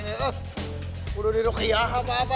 bisa duduk iang apa apa